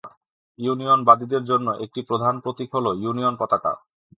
ইউনিয়নবাদীদের জন্য একটি প্রধান প্রতীক হল ইউনিয়ন পতাকা।